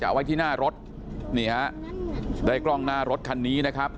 เอาไว้ที่หน้ารถนี่ฮะได้กล้องหน้ารถคันนี้นะครับ